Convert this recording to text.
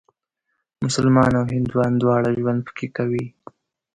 مسلمانان او هندوان دواړه ژوند پکې کوي.